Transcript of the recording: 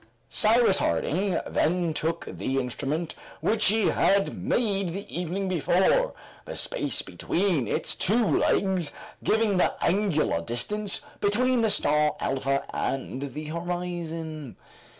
Cyrus Harding then took the instrument which he had made the evening before, the space between its two legs giving the angular distance between the star Alpha and the horizon.